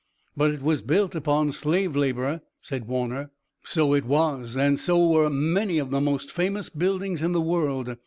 "But it was built upon slave labor," said Warner. "So it was, and so were many of the most famous buildings in the world.